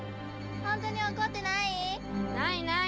ホントに怒ってない？ないない。